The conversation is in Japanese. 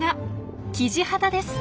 キジハタです。